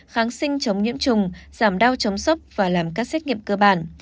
kháng sinh chống nhiễm trùng giảm đau chống sốc và làm các xét nghiệm cơ bản